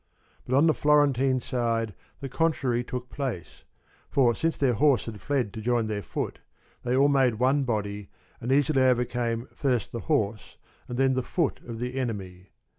But on the Floren tine side the contrary took place, for since their horse had fled to join their foot, they all made one body and easily overcame first the horse and then the foot of the enemy.